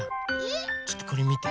ちょっとこれみて？